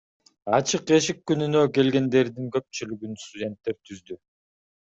Ачык эшик күнүнө келгендердин көпчүлүгүн студенттер түздү.